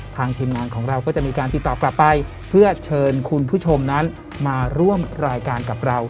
ทีมงานของเราก็จะมีการติดต่อกลับไปเพื่อเชิญคุณผู้ชมนั้นมาร่วมรายการกับเรา